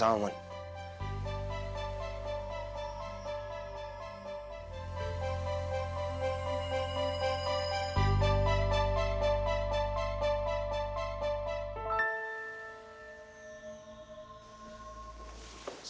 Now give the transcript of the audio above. sampai jumpa lagi